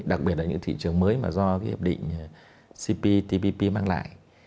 đặc biệt là những thị trường mới mà do cái hiệp định cptpp mang lại